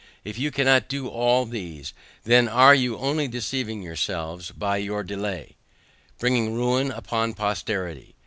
If you cannot do all these, then are you only deceiving yourselves, and by your delay bringing ruin upon posterity.